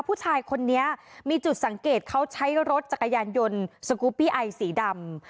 ผู้ชายคนนี้มีจุดสังเกตเขาใช้รถจักรยานยนต์สกูปปี้ไอสีดำ